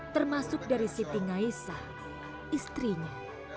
termasuk dari siti ngaisah istrinya